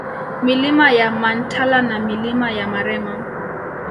Milima ya Mantala na Milima ya Marema